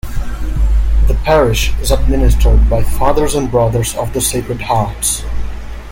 The parish is administered by Fathers and Brothers of the Sacred Hearts.